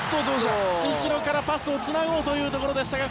後ろからパスをつなごうというところでしたが